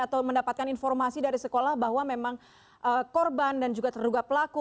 atau mendapatkan informasi dari sekolah bahwa memang korban dan juga terduga pelaku